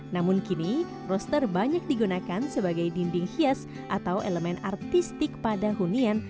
namun kini roster banyak digunakan sebagai dinding hias atau elemen artistik pada hunian